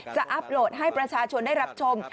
อัพโหลดให้ประชาชนได้รับชม